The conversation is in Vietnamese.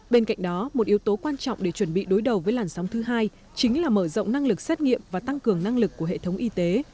bên cạnh đó một yếu tố quan trọng để chuẩn bị đối đầu với làn sóng thứ hai chính là mở rộng năng lực xét nghiệm và tăng cường năng lực của hệ thống y tế